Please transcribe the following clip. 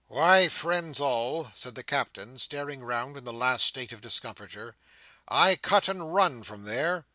"Why, friends all," said the Captain, staring round in the last state of discomfiture, "I cut and run from there!"